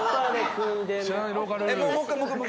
もう１回もう１回。